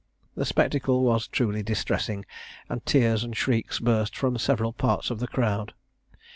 The spectacle was truly distressing, and tears and shrieks burst from several parts of the crowd.